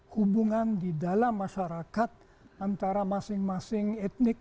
hubungan di dalam masyarakat antara masing masing etnik